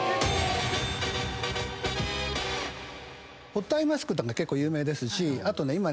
ホットアイマスクとか結構有名ですしあとね今ね。